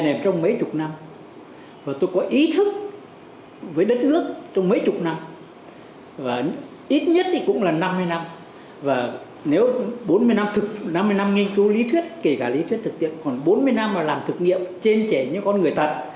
năm mươi năm nghiên cứu lý thuyết kể cả lý thuyết thực tiện còn bốn mươi năm làm thực nghiệm trên trẻ những con người thật